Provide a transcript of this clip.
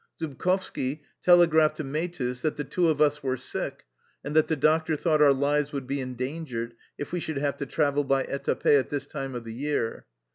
Zubkovski telegraphed to Mehtus that the two of us were sick and that the doctor thought our lives would be endangered if we should have to travel by etape at this time of the year.